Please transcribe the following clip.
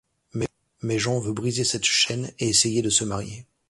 Mais Jean veut briser cette chaîne et essaie de se marier.